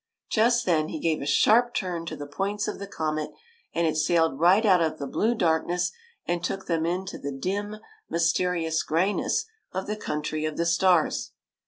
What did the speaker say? Just then, he gave a sharp turn to the points of the comet, and it sailed right out of the blue darkness and took them into the dim mysterious greyness of the country of the stars.